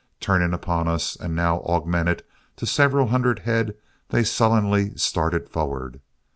Turning upon us and now augmented to several hundred head, they sullenly started forward.